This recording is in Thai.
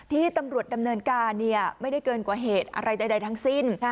ที่ตำรวจดำเนินการไม่ได้เกินกว่าเหตุอะไรใดทั้งสิ้น